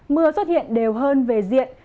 mưa xuất hiện đều hơn về diện